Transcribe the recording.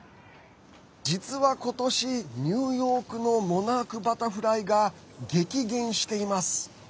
実は今年、ニューヨークのモナークバタフライが激減しています。